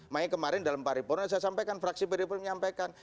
maksudnya kemarin dalam paripurna saya sampaikan fraksi peripurna menyampaikan